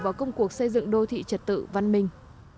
vào công cuộc xây dựng đô thị trật tự văn minh